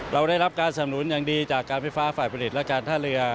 เราได้รับการสำนุนอย่างดีจากการไฟฟ้าฝ่ายผลิตและการท่าเรือ